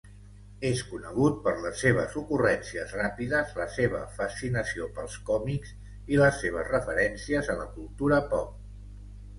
És conegut per les seves ocurrències ràpides, la seva fascinació pels còmics i les seves referències a la cultura pop.